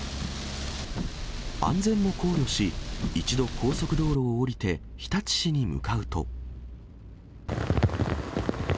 安全も考慮し、一度、高速道路を降りて日立市に向かうと。